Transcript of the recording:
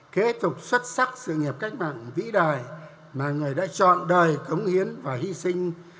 kế tục xuất sắc sự nghiệp cách mạng vĩ đại mà người đã chọn đời cống hiến và hy sinh